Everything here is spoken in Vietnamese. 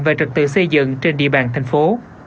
về trật tự xây dựng trên địa bàn thành phố